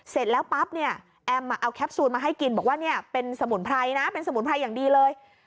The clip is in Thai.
เสร็จแล้วปั๊บเนี่ยแอมเอาแคปซูลมาให้กินบอกว่าเนี่ยเป็นสมุนไพรนะเป็นสมุนไพรอย่างดีเลย